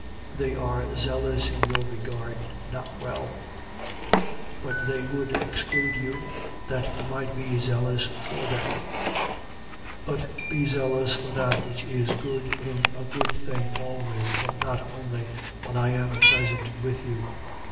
4:17. They are zealous in your regard not well: but they would exclude you, that you might be zealous for them. 4:18. But be zealous for that which is good in a good thing always: and not only when I am present with you.